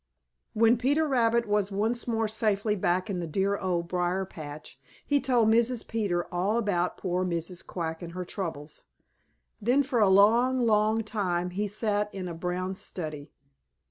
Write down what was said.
When Peter Rabbit was once more safely back in the dear Old Briar patch, he told Mrs. Peter all about poor Mrs. Quack and her troubles. Then for a long, long time he sat in a brown study.